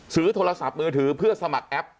ซื้อโทรศัพท์มือถือเพื่อสมัครแอป